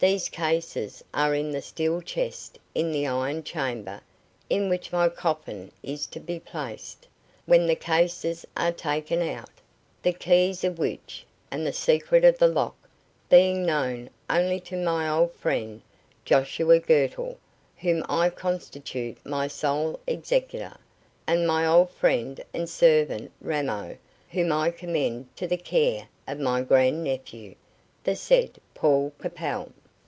These cases are in the steel chest in the iron chamber in which my coffin is to be placed when the cases are taken out, the keys of which, and the secret of the lock, being known only to my old friend, Joshua Girtle, whom I constitute my sole executor, and my old friend and servant, Ramo, whom I commend to the care of my grand nephew, the said Paul Capel.